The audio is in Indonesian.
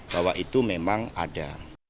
bahwa itu memang ada